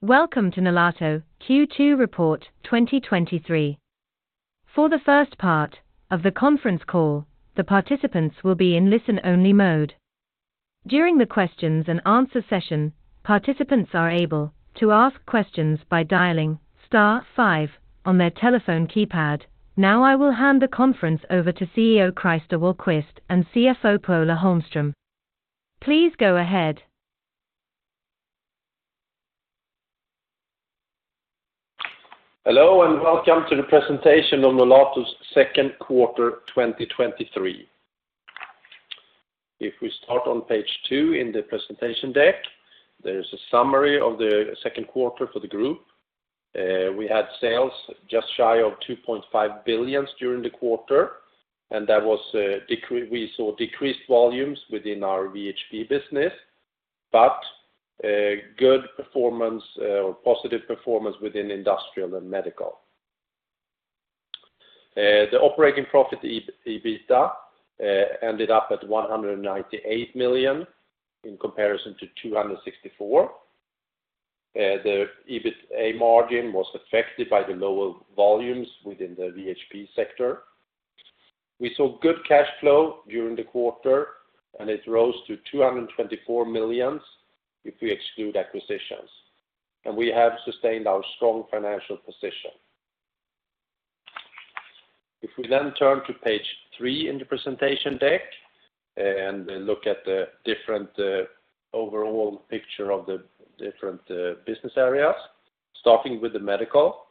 Welcome to Nolato Q2 Report 2023. For the first part of the conference call, the participants will be in listen-only mode. During the questions and answer session, participants are able to ask questions by dialing star five on their telephone keypad. Now, I will hand the conference over to CEO Christer Wahlquist and CFO Per-Ola Holmström. Please go ahead. Hello, and welcome to the presentation on Nolato's Q2 2023. We start on page two in the presentation deck, there is a summary of the Q2 for the group. We had sales just shy of 2.5 billion during the quarter. That was, we saw decreased volumes within our VHP business, a good performance, or positive performance within Industrial and Medical. The operating profit, EBITDA, ended up at 198 million in comparison to 264 million. The EBITA margin was affected by the lower volumes within the VHP sector. We saw good cash flow during the quarter. It rose to 224 million, if we exclude acquisitions, and we have sustained our strong financial position. If we then turn to page three in the presentation deck and look at the different, overall picture of the different, business areas, starting with the Medical,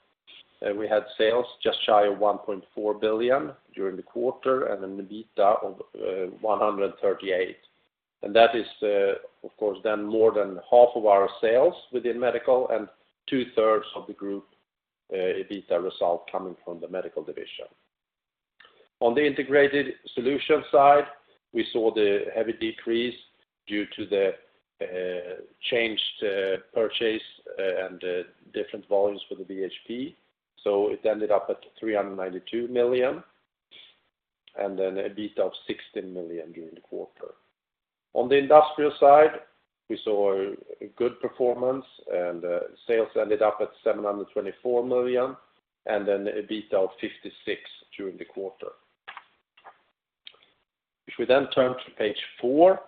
we had sales just shy of 1.4 billion during the quarter, and an EBITDA of 138 million. That is, of course, then more than half of our sales within Medical and two-thirds of the group EBITDA result coming from the Medical division. On the Integrated Solutions side, we saw the heavy decrease due to the changed purchase and the different volumes for the VHP. It ended up at 392 million, and then EBITDA of 60 million during the quarter. On the industrial side, we saw a good performance. Sales ended up at 724 million, EBITDA of 56 during the quarter. We turn to page four,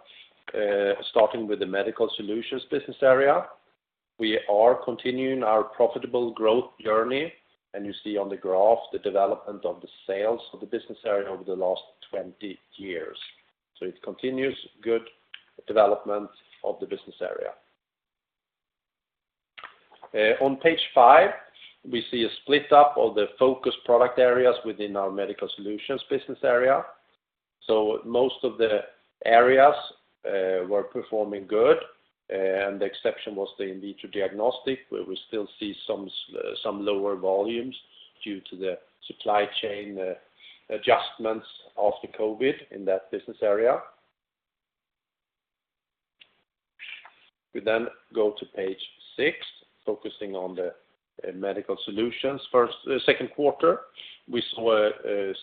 starting with the Medical Solutions business area. We are continuing our profitable growth journey. You see on the graph the development of the sales of the business area over the last 20 years. It continues good development of the business area. On page five, we see a split up of the focus product areas within our Medical Solutions business area. Most of the areas were performing good. The exception was the in vitro diagnostic, where we still see some lower volumes due to the supply chain adjustments after COVID in that business area. We go to page six, focusing on the Medical Solutions. Q2, we saw a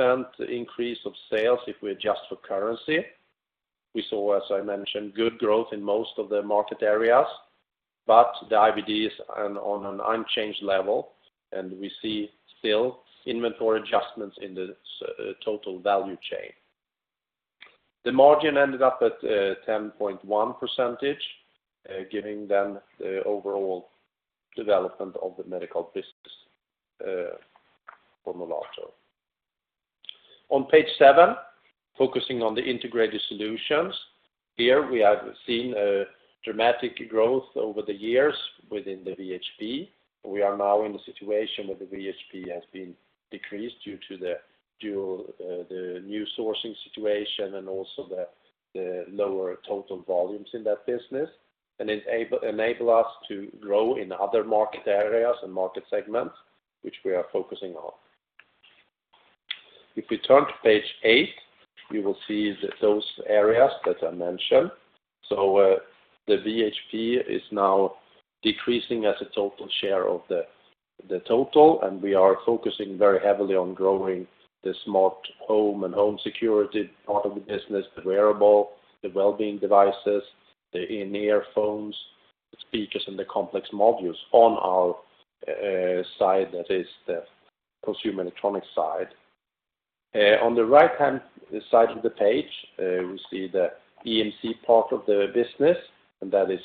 6% increase of sales if we adjust for currency. We saw, as I mentioned, good growth in most of the market areas, but the IVDs are on an unchanged level, and we see still inventory adjustments in the total value chain. The margin ended up at 10.1%, giving then the overall development of the medical business for Nolato. On page seven, focusing on the Integrated Solutions, here, we have seen a dramatic growth over the years within the VHP. We are now in a situation where the VHP has been decreased due to the dual, the new sourcing situation and also the lower total volumes in that business, and enable us to grow in other market areas and market segments, which we are focusing on. If we turn to page eight, we will see those areas that I mentioned. The VHP is now decreasing as a total share of the total, and we are focusing very heavily on growing the smart home and home security part of the business, the wearable, the wellbeing devices, the in-ear phones, the speeches, and the complex modules on our side, that is the consumer electronics side. On the right-hand side of the page, we see the EMC part of the business, and that is,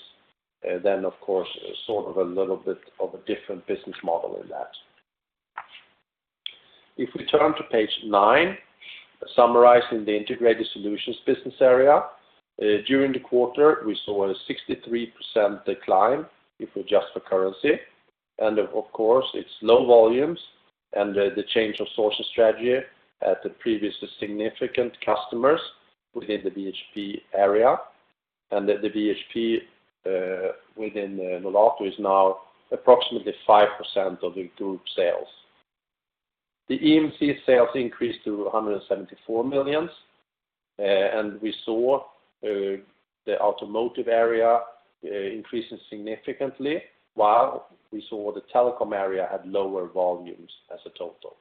then, of course, sort of a little bit of a different business model in that. If we turn to page nine, summarizing the Integrated Solutions business area, during the quarter, we saw a 63% decline if we adjust for currency, and of course, it's low volumes and the change of sourcing strategy at the previous significant customers within the VHP area, and that the VHP within Nolato is now approximately 5% of the group sales. The EMC sales increased to 174 million, and we saw the automotive area increasing significantly, while we saw the telecom area had lower volumes as a total.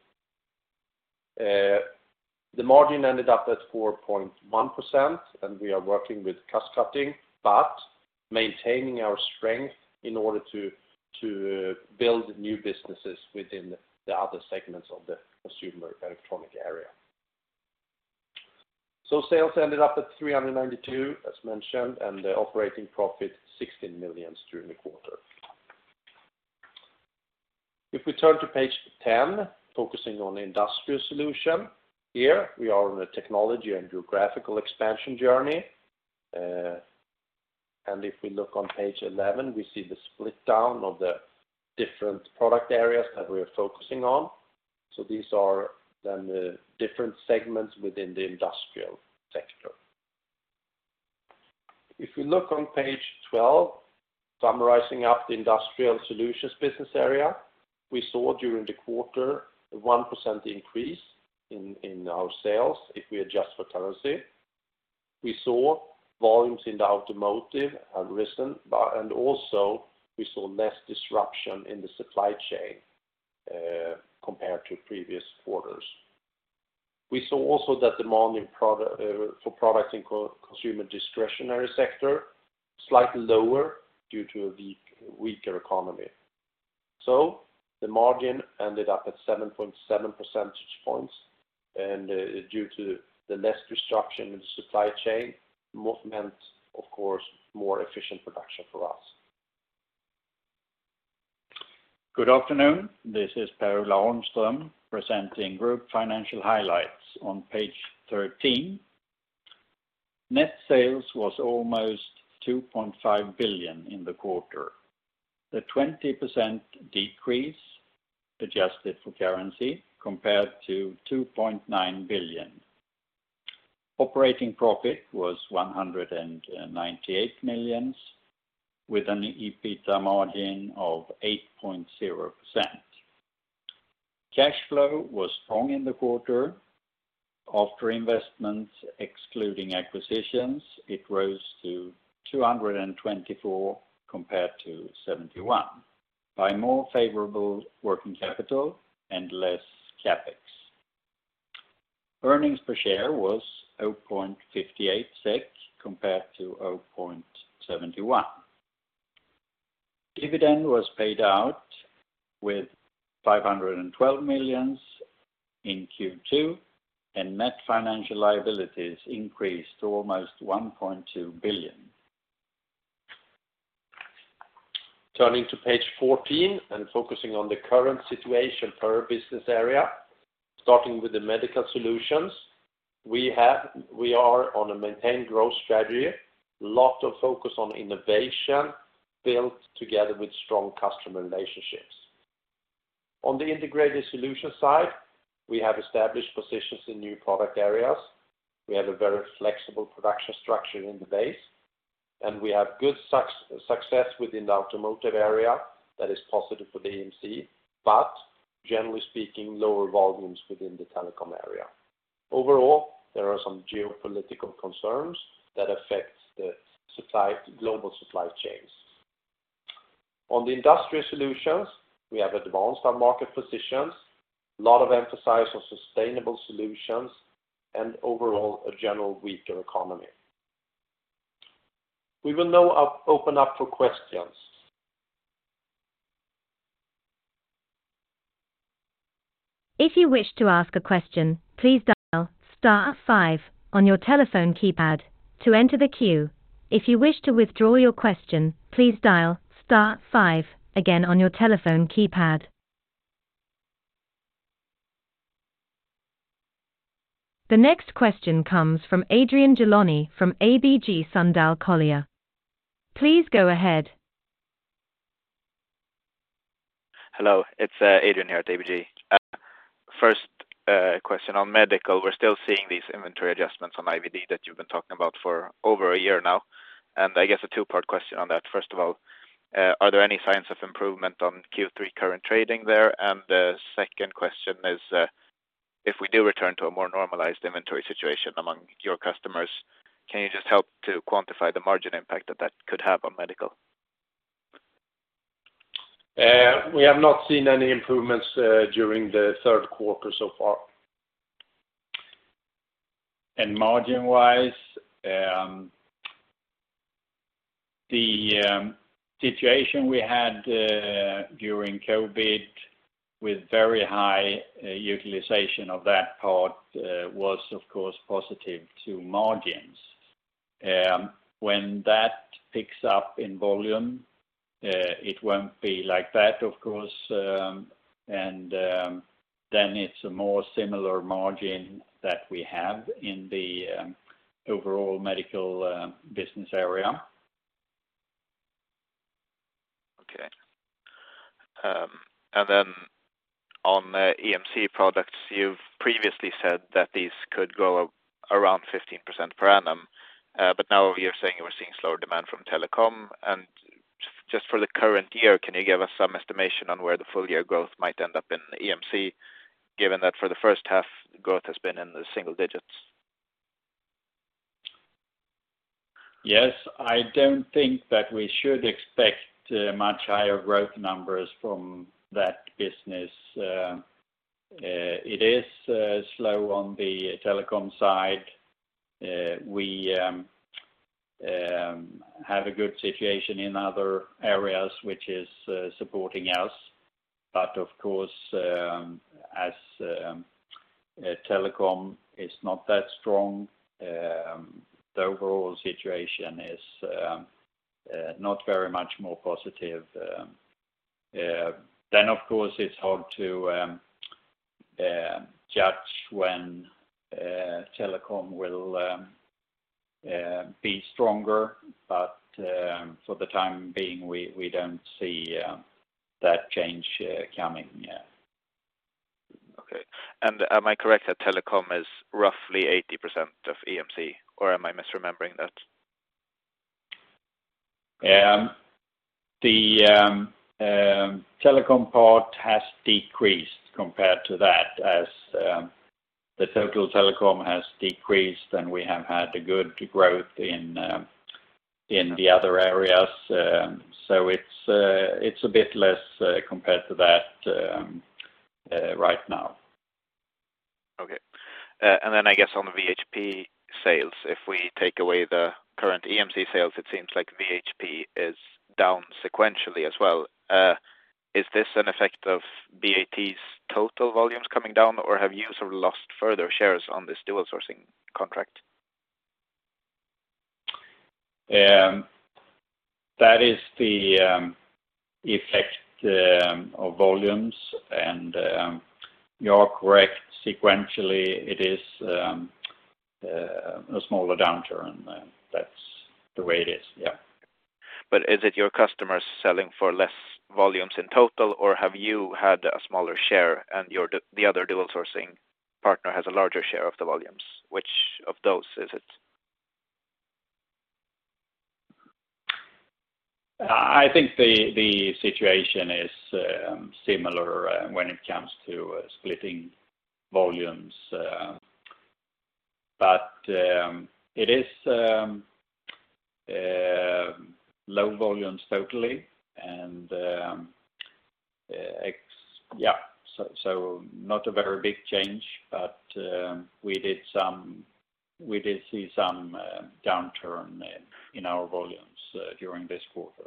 The margin ended up at 4.1%, and we are working with cost cutting, but maintaining our strength in order to build new businesses within the other segments of the consumer electronics area. Sales ended up at 392, as mentioned, and the operating profit, 16 million during the quarter. If we turn to page 10, focusing on the Industrial Solutions, here we are on a technology and geographical expansion journey. If we look on page 11, we see the split down of the different product areas that we are focusing on. These are then the different segments within the industrial sector. If we look on page 12, summarizing up the Industrial Solutions business area, we saw during the quarter a 1% increase in our sales, if we adjust for currency. We saw volumes in the automotive have risen, and also we saw less disruption in the supply chain compared to previous quarters. We saw also that demand in product for products in consumer discretionary sector, slightly lower due to a weaker economy. The margin ended up at 7.7 percentage points, due to the less disruption in the supply chain, movement, of course, more efficient production for us. Good afternoon, this is Per-Ola Holmström, presenting group financial highlights on page 13. Net sales was almost 2.5 billion in the quarter. The 20% decrease, adjusted for currency, compared to 2.9 billion. Operating profit was 198 million, with an EBITDA margin of 8.0%. Cash flow was strong in the quarter. After investments, excluding acquisitions, it rose to 224 million compared to 71 million, by more favorable working capital and less CapEx. Earnings per share was 0.58 SEK, compared to 0.71. Dividend was paid out with 512 million in Q2, and net financial liabilities increased to almost 1.2 billion. Turning to page 14 and focusing on the current situation per business area, starting with the Medical Solutions, we are on a maintain growth strategy, lot of focus on innovation, built together with strong customer relationships. On the Integrated Solutions side, we have established positions in new product areas. We have a very flexible production structure in the base, and we have good success within the automotive area that is positive for the EMC, but generally speaking, lower volumes within the telecom area. Overall, there are some geopolitical concerns that affect the supply, global supply chains. On the Industrial Solutions, we have advanced our market positions, a lot of emphasis on sustainable solutions and overall a general weaker economy. We will now open up for questions. If you wish to ask a question, please dial star five on your telephone keypad to enter the queue. If you wish to withdraw your question, please dial star five again on your telephone keypad. The next question comes from Adrian Gilani from ABG Sundal Collier. Please go ahead. Hello, it's Adrian here at ABG. First, question on medical, we're still seeing these inventory adjustments on IVD that you've been talking about for over a year now, and I guess a two-part question on that. First of all, are there any signs of improvement on Q3 current trading there? The second question is, if we do return to a more normalized inventory situation among your customers, can you just help to quantify the margin impact that that could have on medical? We have not seen any improvements during the Q3 so far. Margin-wise, the situation we had during COVID with very high utilization of that part was of course, positive to margins. When that picks up in volume, it won't be like that, of course, and then it's a more similar margin that we have in the overall medical business area. Okay. On the EMC products, you've previously said that these could grow around 15% per annum. Now you're saying you were seeing slower demand from telecom. Just for the current year, can you give us some estimation on where the full year growth might end up in EMC, given that for the first half, growth has been in the single digits? Yes, I don't think that we should expect much higher growth numbers from that business. It is slow on the telecom side. We have a good situation in other areas, which is supporting us. Of course, as telecom is not that strong, the overall situation is not very much more positive. Of course, it's hard to judge when telecom will be stronger, but for the time being, we don't see that change coming yet. Okay. Am I correct that telecom is roughly 80% of EMC, or am I misremembering that? The telecom part has decreased compared to that as the total telecom has decreased, and we have had a good growth in the other areas. It's a bit less compared to that right now. Okay. I guess on the VHP sales, if we take away the current EMC sales, it seems like VHP is down sequentially as well. Is this an effect of BAT's total volumes coming down, or have you sort of lost further shares on this dual sourcing contract? That is the effect of volumes, and you're correct. Sequentially, it is a smaller downturn, and that's the way it is, yeah. Is it your customers selling for less volumes in total, or have you had a smaller share, and the other dual sourcing partner has a larger share of the volumes? Which of those is it? I think the situation is similar when it comes to splitting volumes. It is low volumes totally, and yeah, so not a very big change, but we did see some downturn in our volumes during this quarter.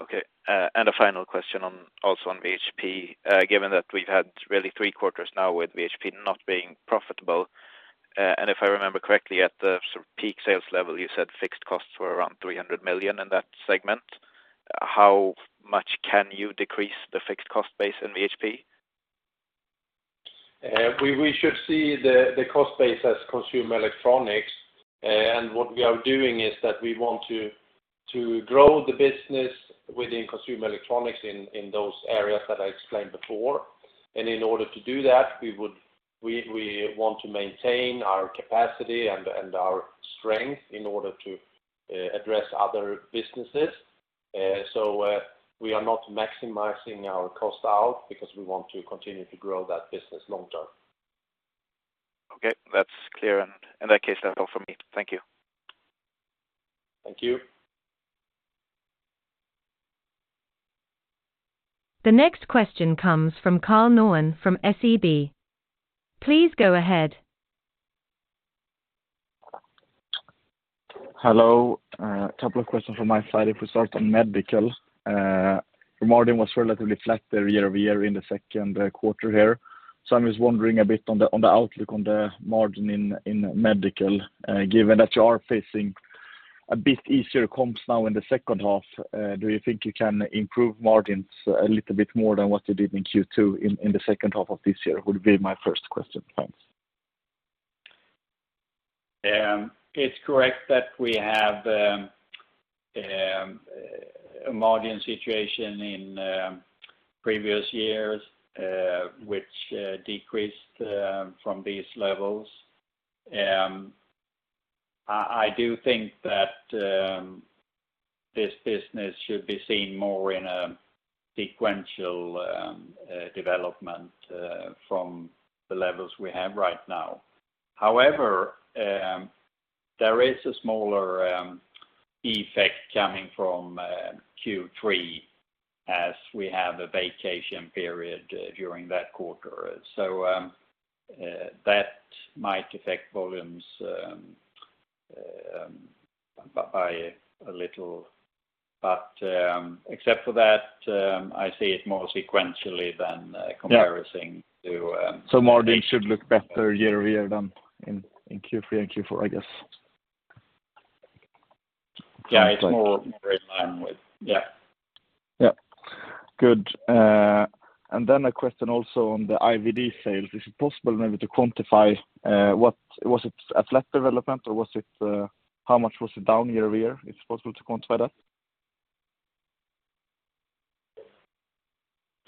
Okay, a final question on, also on VHP. Given that we've had really Q3 now with VHP not being profitable, and if I remember correctly, at the sort of peak sales level, you said fixed costs were around 300 million in that segment. How much can you decrease the fixed cost base in VHP? We should see the cost base as consumer electronics, and what we are doing is that we want to grow the business within consumer electronics in those areas that I explained before. In order to do that, we want to maintain our capacity and our strength in order to address other businesses. We are not maximizing our cost out because we want to continue to grow that business long term. Okay, that's clear, and in that case, that's all for me. Thank you. Thank you. The next question comes from Carl Englund from SEB. Please go ahead. Hello, couple of questions from my side. If we start on medical, the margin was relatively flat there year-over-year in the Q2 here. I was wondering a bit on the outlook on the margin in medical, given that you are facing a bit easier comps now in the second half, do you think you can improve margins a little bit more than what you did in Q2, in the second half of this year? Would be my first question. Thanks. It's correct that we have a margin situation in previous years, which decreased from these levels. I do think that this business should be seen more in a sequential development from the levels we have right now. There is a smaller effect coming from Q3 as we have a vacation period during that quarter. That might affect volumes by a little. Except for that, I see it more sequentially than. Yeah... comparison to. margin should look better year-over-year than in Q3 and Q4, I guess? Yeah, it's. Okay... more in line with. Yeah. Yeah. Good, then a question also on the IVD sales. Is it possible maybe to quantify, was it a flat development, or was it, how much was it down year-over-year? It's possible to quantify that?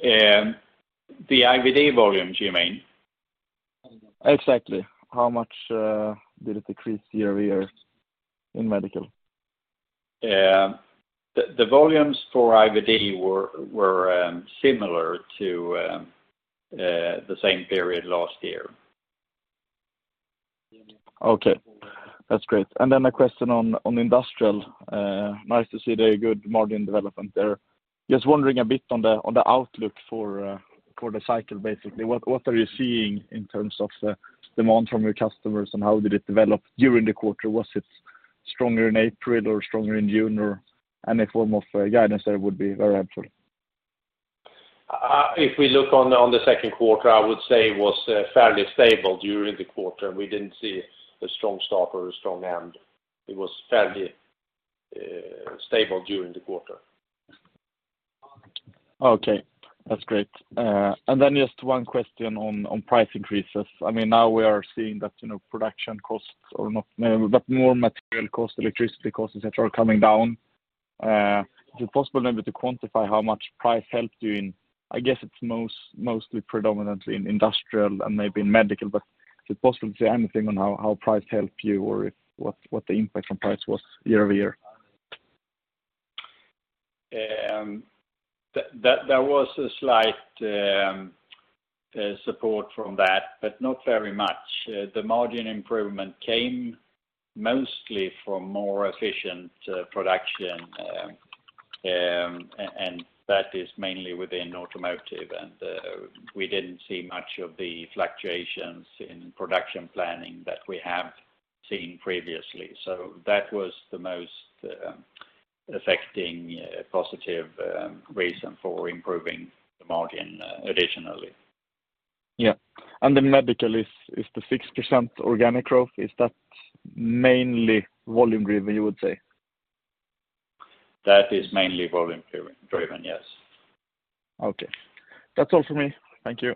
The IVD volumes you mean? Exactly. How much did it decrease year-over-year in Medical? The volumes for IVD were similar to the same period last year. Okay, that's great. Then a question on Industrial. Nice to see the good margin development there. Just wondering a bit on the, on the outlook for the cycle, basically. What are you seeing in terms of the demand from your customers, and how did it develop during the quarter? Was it stronger in April or stronger in June, or any form of, guidance there would be very helpful. If we look on the Q2, I would say it was fairly stable during the quarter. We didn't see a strong start or a strong end. It was fairly stable during the quarter. Okay, that's great. Then just one question on price increases. I mean, now we are seeing that, you know, production costs but more material costs, electricity costs, et cetera, are coming down. Is it possible maybe to quantify how much price helped you I guess it's mostly predominantly in Industrial and maybe in Medical, but is it possible to say anything on how price helped you, or what the impact from price was year-over-year? That there was a slight support from that, not very much. The margin improvement came mostly from more efficient production, and that is mainly within automotive, and we didn't see much of the fluctuations in production planning that we have seen previously. That was the most affecting positive reason for improving the margin additionally. Yeah. The Medical is the 6% organic growth, is that mainly volume driven, you would say? That is mainly volume driven, yes. Okay. That's all for me. Thank you.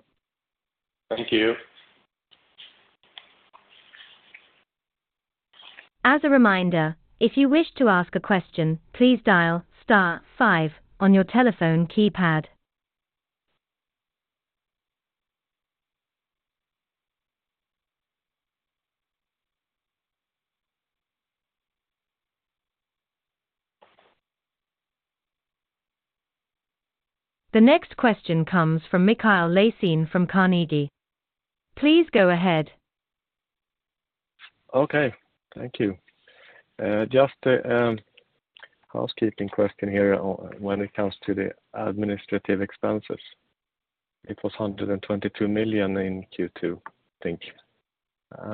Thank you. As a reminder, if you wish to ask a question, please dial star five on your telephone keypad. The next question comes from Mikael Laséen from Carnegie. Please go ahead. Okay. Thank you. Just a housekeeping question here on when it comes to the administrative expenses. It was 122 million in Q2, I think,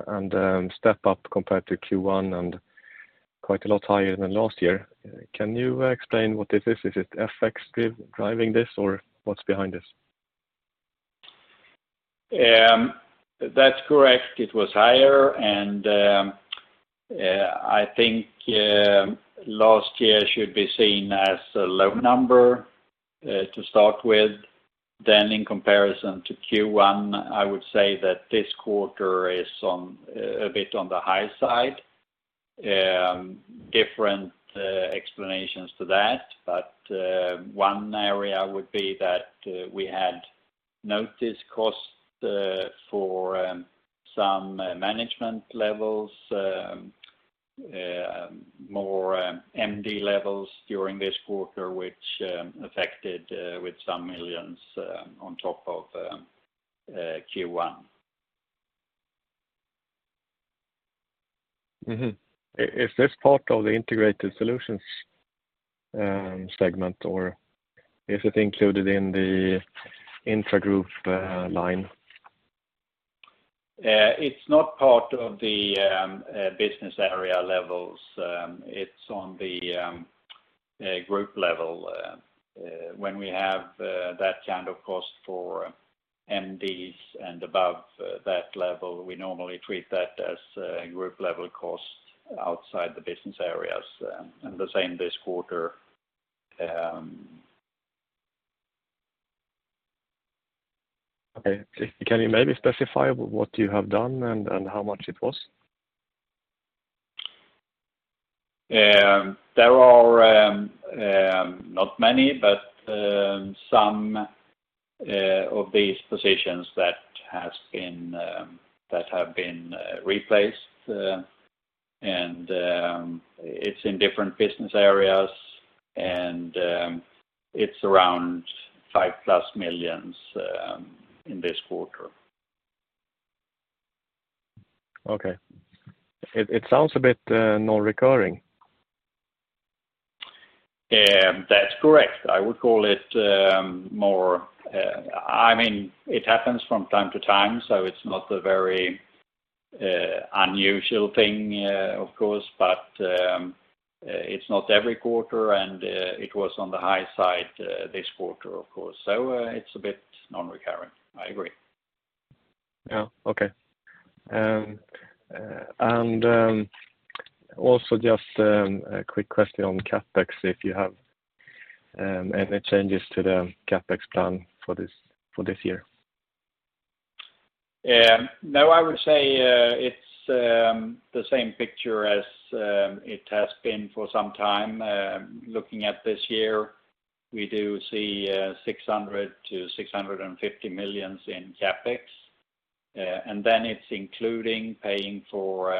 and step up compared to Q1 and quite a lot higher than last year. Can you explain what this is? Is it FX driving this, or what's behind this? That's correct. It was higher, and I think last year should be seen as a low number to start with. In comparison to Q1, I would say that this quarter is on a bit on the high side. Different explanations to that, but one area would be that we had notice cost for some management levels, more MD levels during this quarter, which affected with some millions on top of Q1. Mm-hmm. Is this part of the Integrated Solutions segment, or is it included in the intragroup line? It's not part of the business area levels. It's on the group level. When we have that kind of cost for MDs and above, that level, we normally treat that as a group level cost outside the business areas, and the same this quarter. Okay. Can you maybe specify what you have done and how much it was? There are not many, but some of these positions that have been replaced. It's in different business areas, and it's around 5+ million in this quarter. Okay. It sounds a bit, non-recurring. That's correct. I would call it, more... I mean, it happens from time to time, so it's not a very unusual thing, of course, but it's not every quarter, and it was on the high side this quarter, of course. It's a bit non-recurring. I agree. Yeah. Okay. Also just a quick question on CapEx, if you have any changes to the CapEx plan for this, for this year? No, I would say, it's the same picture as it has been for some time. Looking at this year, we do see 600 million-650 million in CapEx. It's including paying for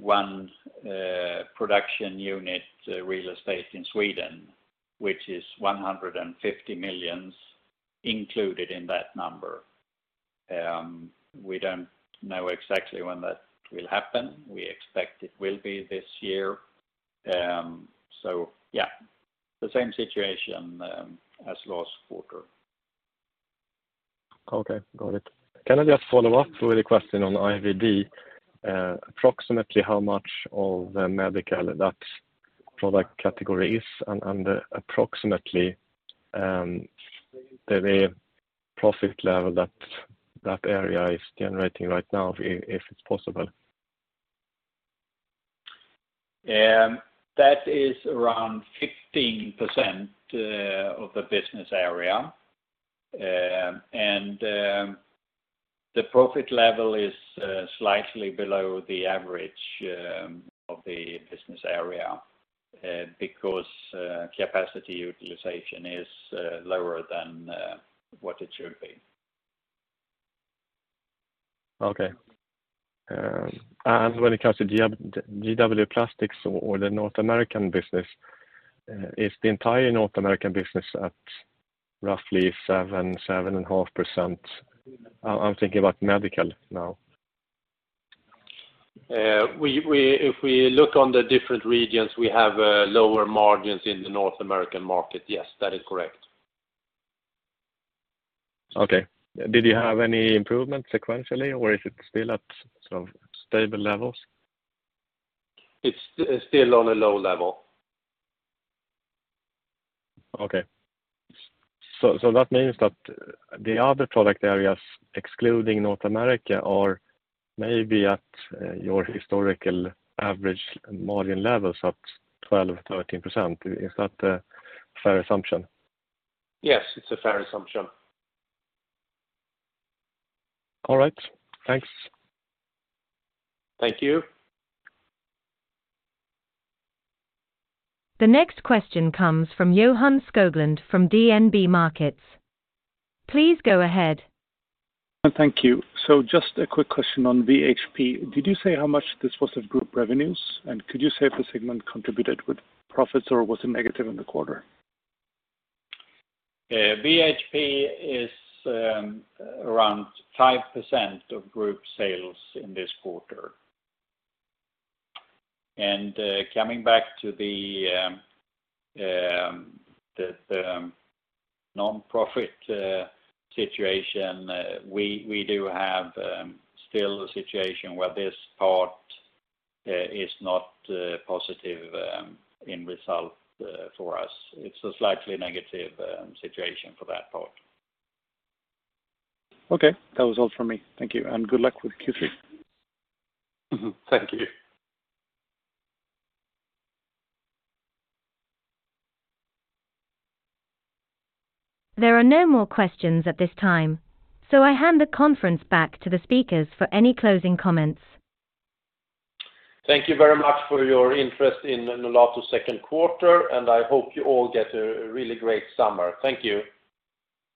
one production unit real estate in Sweden, which is 150 million included in that number. We don't know exactly when that will happen. We expect it will be this year. Yeah, the same situation as last quarter. Okay, got it. Can I just follow up with a question on IVD? Approximately how much of the medical that product category is, and approximately, the profit level that that area is generating right now, if it's possible? That is around 15% of the business area. The profit level is slightly below the average of the business area, because capacity utilization is lower than what it should be. Okay. When it comes to GW Plastics or the North American business, is the entire North American business at roughly 7.5%? I'm thinking about medical now. If we look on the different regions, we have lower margins in the North American market. Yes, that is correct. Okay. Did you have any improvement sequentially, or is it still at some stable levels? It's still on a low level. That means that the other product areas, excluding North America, are maybe at your historical average margin levels at 12%, 13%. Is that a fair assumption? Yes, it's a fair assumption. All right. Thanks. Thank you. The next question comes from Johan Skoglund from DNB Markets. Please go ahead. Thank you. Just a quick question on VHP. Did you say how much this was of group revenues? Could you say if the segment contributed with profits, or was it negative in the quarter? VHP is around 5% of group sales in this quarter. Coming back to the nonprofit situation, we do have still a situation where this part is not positive in result for us. It's a slightly negative situation for that part. Okay, that was all for me. Thank you, and good luck with Q3. Mm-hmm. Thank you. There are no more questions at this time. I hand the conference back to the speakers for any closing comments. Thank you very much for your interest in Nolato's Q2, and I hope you all get a really great summer. Thank you.